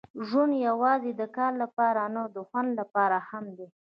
ژوند یوازې د کار لپاره نه، د خوند لپاره هم دی.